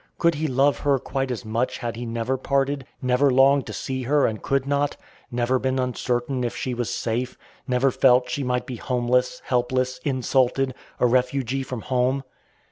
Could he love her quite as much had he never parted; never longed to see her and could not; never been uncertain if she was safe; never felt she might be homeless, helpless, insulted, a refugee from home?